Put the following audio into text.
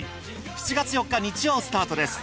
７月４日日曜スタートです！